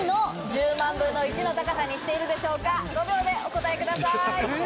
５秒でお答えください。